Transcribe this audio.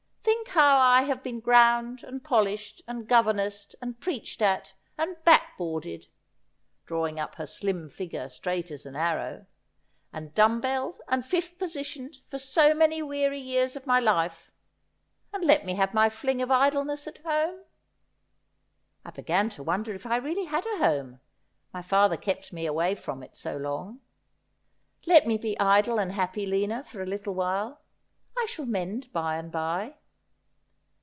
Think how I have been ground and polished and governessed and preached at, and back boarded,' drawing up her slim figure straight as an arrow, ' and dumb belled, and fifth positioned, for so many weary years of my life, and let me have my fling of idleness at home. I began to wonder if I really had a home, my father kept me away from it so long. Let me be idle and happy, Lina, for a little while ; I shall mend by and by.'